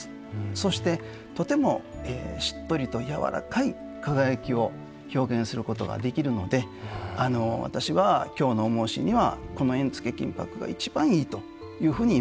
そしてとてもしっとりと柔らかい輝きを表現することができるので私は京の重押しにはこの縁付金箔が一番いいというふうに今も思っています。